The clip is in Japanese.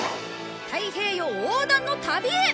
太平洋横断の旅へ！